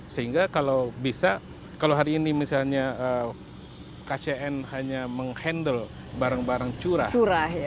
sehingga kalau bisa kalau hari ini misalnya kcn hanya menghandle barang barang curah